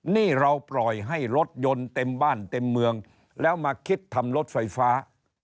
นี่เราปล่อยให้รถยนต์เต็มบ้านเต็มเมืองแล้วมาคิดทำรถไฟฟ้า